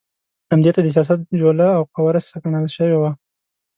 همدې ته د سیاست جوله او قواره سکڼل شوې ده.